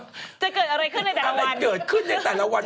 จะเกิดอะไรขึ้นในแต่ละวัน